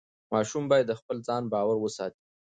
ماشوم باید د خپل ځان باور وساتي.